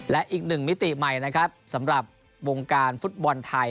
และอีกหนึ่งมิติใหม่นะครับสำหรับวงการฟุตบอลไทย